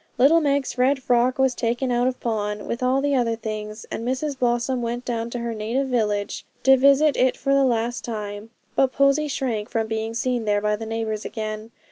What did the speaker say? Little Meg's red frock was taken out of pawn, with all the other things, and Mrs Blossom went down to her native village to visit it for the last time; but Posy shrank from being seen there by the neighbours again.